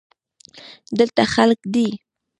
دلته خلگ دی.